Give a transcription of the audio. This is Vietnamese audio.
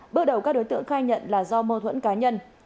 bước đầu các đối tượng khai nhận là do mâu thuẫn cá nhân